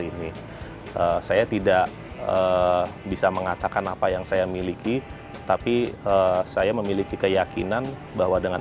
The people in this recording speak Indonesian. ini saya tidak bisa mengatakan apa yang saya miliki tapi saya memiliki keyakinan bahwa dengan